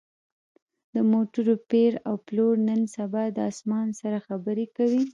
د موټرو پېر او پلور نن سبا د اسمان سره خبرې کوي